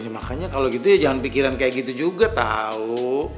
makanya kalau gitu ya jangan pikiran kayak gitu juga tahu